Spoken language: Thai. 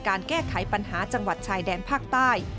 การแก้ไขปัญหาจังหวัดชายแดนภาคใต้